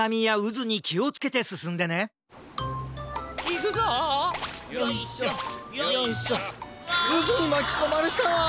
うずにまきこまれたわ！